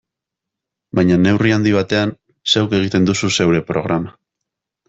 Baina neurri handi batean, zeuk egiten duzu zeure programa.